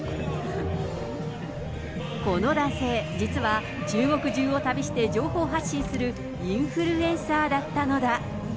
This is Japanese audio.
この男性、実は、中国じゅうを旅して情報発信する、インフルエンサーだったのだ。